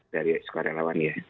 dari sekolah yang lawan ya